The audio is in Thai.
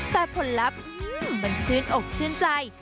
แต่ผลลัพธ์มันชื่นอกชื่นใจ